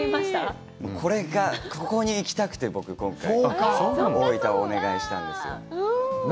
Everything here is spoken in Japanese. ここに行きたくて大分をお願いしたんですよ。